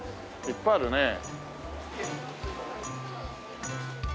いっぱいあるねえ。